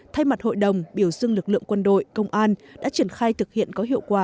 thay mặt hội đồng biểu dương lực lượng quân đội công an đã triển khai thực hiện có hiệu quả